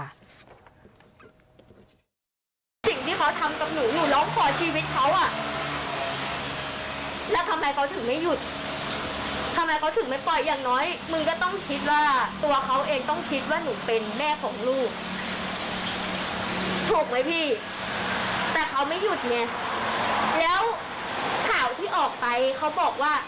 แล้วข่าวที่ออกไปเขาบอกว่า